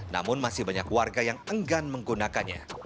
namun masih banyak warga yang enggan menggunakannya